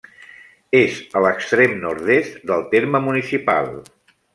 És a l'extrem nord-est del terme municipal.